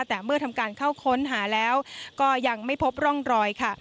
แต่เมื่อทำการเข้าค้นหาแล้วก็ยังไม่พบร่องรอยค่ะ